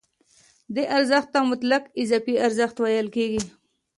دې ارزښت ته مطلق اضافي ارزښت ویل کېږي